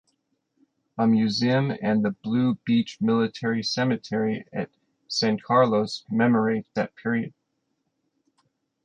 A museum and the Blue Beach Military Cemetery at San Carlos commemorate that period.